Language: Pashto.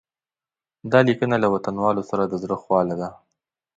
دا لیکنه له وطنوالو سره د زړه خواله ده.